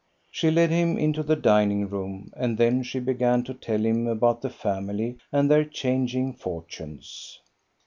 She led him into the dining room, and then she began to tell him about the family, and their changing fortunes.